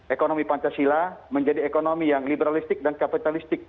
ekonomi pancasila menjadi ekonomi yang liberalistik dan kapitalistik